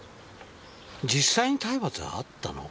実際に体罰はあったの？